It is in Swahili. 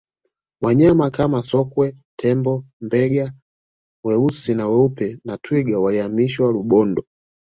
wanyama Kama sokwe tembo mbega weusi na weupe na twiga walihamishiwa rubondo